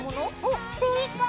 おっ正解！